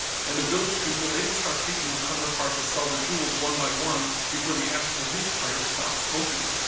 And the village people they would start picking the Crown apart to sell the jewels, one by one, before the ashes of his pyre stopped smoking.